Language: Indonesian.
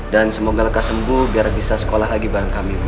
dan semoga lekas sembuh biar bisa sekolah lagi bareng kami bu